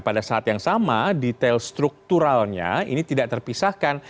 pada saat yang sama detail strukturalnya ini tidak terpisahkan